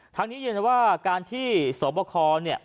ทั้งนี้ยืนว่าการที่สวบคล